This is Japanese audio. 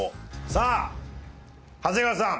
さあ長谷川さん。